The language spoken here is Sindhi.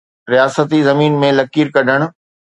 رياستي زمين ۾ لڪير ڪڍڻ.